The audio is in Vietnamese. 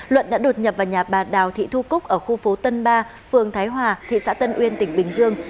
luận đã đột nhập vào nhà bà đào thị thu cúc ở khu phố tân ba phường thái hòa thị xã tân uyên tỉnh bình dương